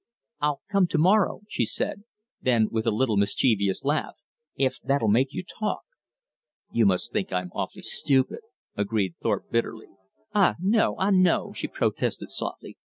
"I'll come to morrow," she said then with a little mischievous laugh, "if that'll make you talk." "You must think I'm awfully stupid," agreed Thorpe bitterly. "Ah, no! Ah, no!" she protested softly.